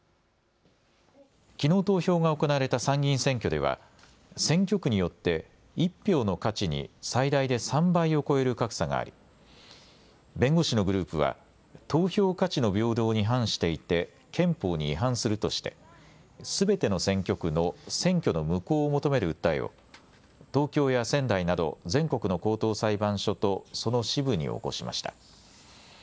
きのう投票が行われた参議院選挙では選挙区によって１票の価値に最大で３倍を超える格差があり弁護士のグループは投票価値の平等に反していて憲法に違反するとしてすべての選挙区の選挙の無効を求める訴えを東京や仙台など全国の高等裁判所とその支部に起こしました。